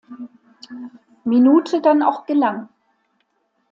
Minute dann auch gelang.